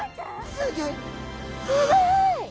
すごい。